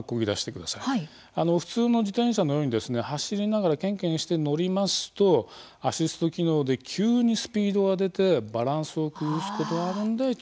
普通の自転車のように走りながらケンケンして乗りますとアシスト機能で急にスピードが出てバランスを崩すことがあるんで注意が必要なんですね。